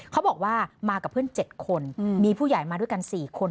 เขาบอกว่ามากับเพื่อน๗คนมีผู้ใหญ่มาด้วยกัน๔คน